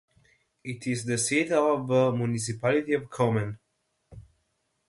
It is the seat of the Municipality of Komen.